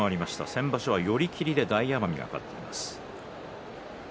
先場所は寄り切りで大奄美が勝っています。